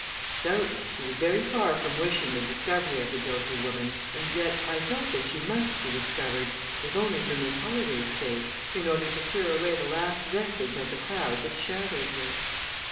Doubtless, she was very far from wishing the discovery of the guilty woman, and yet I felt that she must be discovered, if only for Miss Holladay's sake, in order to clear away the last vestige of the cloud that shadowed her.